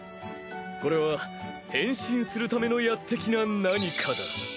これは変身するためのやつ的な何かだ。